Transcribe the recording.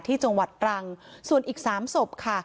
ที่จงหวัดตรังส์ส่วนอีกสามศพค่ะ